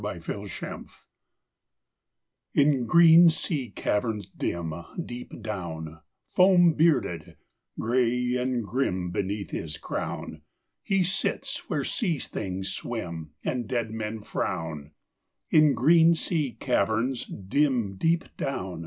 THE SEA KING In green sea caverns dim, Deep down, Foam bearded, gray and grim Beneath his crown, He sits where sea things swim And dead men frown. In green sea caverns dim Deep down.